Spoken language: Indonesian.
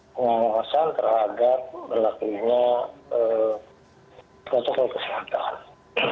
pengawasan terhadap berlakunya protokol kesehatan